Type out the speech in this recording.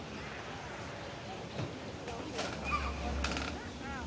สวัสดีครับทุกคน